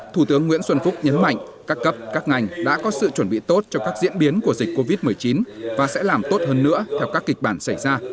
thủ tướng nguyễn xuân phúc nhấn mạnh các cấp các ngành đã có sự chuẩn bị tốt cho các diễn biến của dịch covid một mươi chín và sẽ làm tốt hơn nữa theo các kịch bản xảy ra